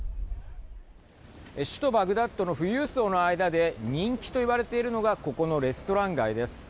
首都バグダッドの富裕層の間で人気と言われているのがここのレストラン街です。